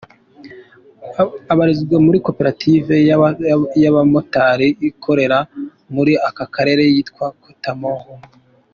Abarizwa muri Koperative y’abamotari ikorera muri aka karere yitwa Cotamohu.